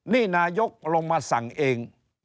นี่นายกลงมาสั่งเอง